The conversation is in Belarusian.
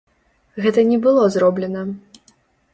Гэта не было зроблена.